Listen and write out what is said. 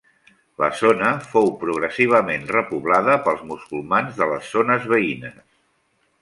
La zona fou progressivament repoblada pels musulmans de les zones veïnes.